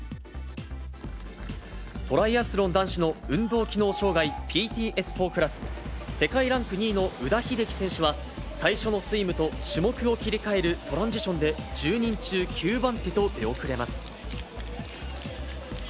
トライアスロン男子の運動機能障害ＰＴＳ４クラス、世界ランク２位の宇田秀生選手は、最初のスイムと、種目を切り替えるトランジションで１０人中９番手と出遅れます。